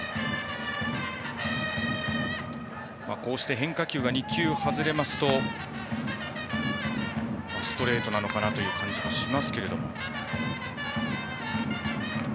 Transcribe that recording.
変化球が２球外れますとストレートなのかなという感じもしますけれども。